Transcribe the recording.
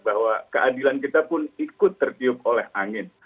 bahwa keadilan kita pun ikut tertiup oleh angin